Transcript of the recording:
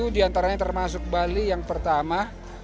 tujuh diantaranya termasuk bali yang pertama